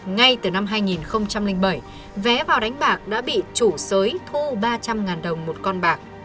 ngay từ năm hai nghìn bảy vé vào đánh bạc đã bị chủ sới thu ba trăm linh đồng một con bạc